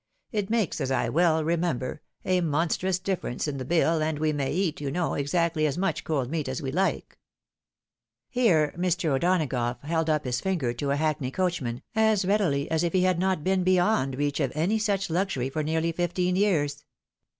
It makes, as I well remember, a monstrous difference in the bill, and fre may eat, you know, exactly as much cold meat as we like." Here Mr. O'Donagough held up his finger to a hackney coachman, as readily as if he had not been beyond reach of any such luxury for nearly fifteen years.